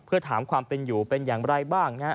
เพื่อถามความเป็นอยู่เป็นอย่างไรบ้างนะฮะ